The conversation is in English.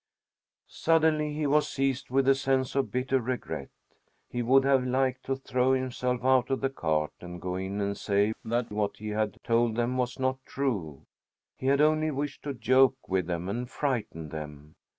Suddenly he was seized with a sense of bitter regret. He would have liked to throw himself out of the cart and go in and say that what he had told them was not true. He had only wished to joke with them and frighten them.